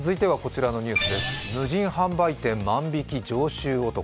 無人販売店、万引き常習男。